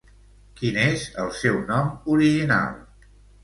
Quin és el seu nom original?